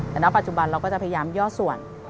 แต่ณปัจจุบันเราก็จะพยายามย่อส่วน